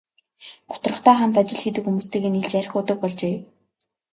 Гутрахдаа хамт ажил хийдэг хүмүүстэйгээ нийлж архи уудаг болжээ.